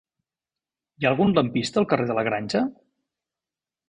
Hi ha algun lampista al carrer de la Granja?